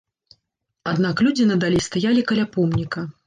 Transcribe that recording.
Аднак людзі надалей стаялі каля помніка.